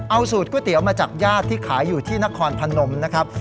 เอาสูตรก๋วยเตี๋ยวมาจากญาติที่ขายอยู่ที่นครพนมนะครับ